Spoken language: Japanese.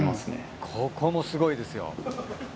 ここもすごいですよ。